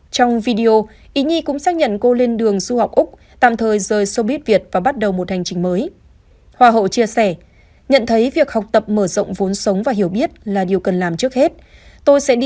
trong video ý nhi cũng xác nhận cô lên đường du học úc tạm thời rời xô bít việt và bắt đầu một hành trình mới